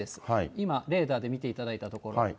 今、レーダーで見ていただいた所。